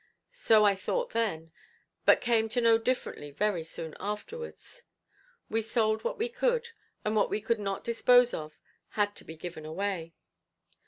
So I thought then, but came to know differently very soon afterwards. We sold what we could, and what we could not dispose of had to be given away.